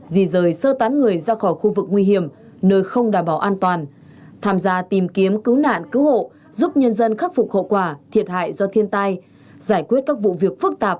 gì rời sơ tán người ra khỏi khu vực